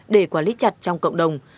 để quản lý chặt trong cộng đồng